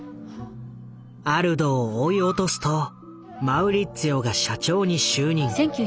アルドを追い落とすとマウリッツィオが社長に就任。